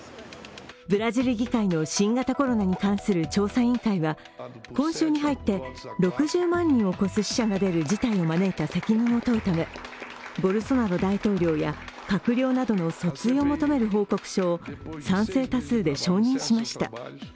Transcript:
ブラジル議会の新型コロナに関する調査委員会は今週に入って６０万人を超す死者が出る事態を招いた責任を問うため、ボルソナロ大統領や閣僚などの訴追を求める報告書を賛成多数で承認しました。